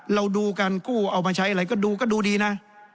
เราดูการกู้เอามาใช้อะไรก็ดูก็ดูดีนะ